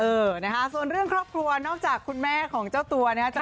เออนะคะส่วนเรื่องครอบครัวนอกจากคุณแม่ของเจ้าตัวนะฮะ